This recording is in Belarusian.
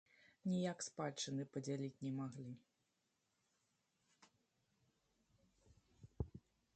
Ніяк спадчыны падзяліць не маглі.